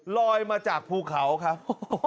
ลอยมาจากภูเขาครับ